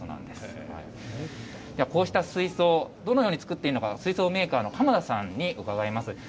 ではこうした水槽、どのように作っているのか、水槽メーカーの鴨田さんに伺います。